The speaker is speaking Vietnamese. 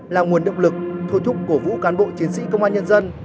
là nguồn động lực thôi thúc cổ vũ cán bộ chiến sĩ công an nhân dân